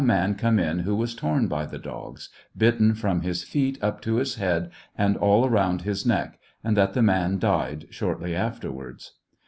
in come in who was torn by the dogs — bitten from his feet up to his head and all round his neck, and that the man died shortly afterwards.